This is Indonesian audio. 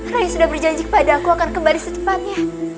ray sudah berjanji kepada aku akan kembali ke kampung ini